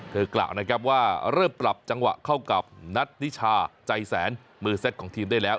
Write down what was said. กล่าวนะครับว่าเริ่มปรับจังหวะเข้ากับนัทนิชาใจแสนมือเซ็ตของทีมได้แล้ว